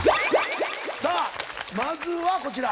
さあまずはこちら。